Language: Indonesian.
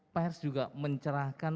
pers juga mencerahkan